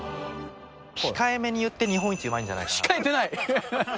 控えめに言って日本一うまい控えてない。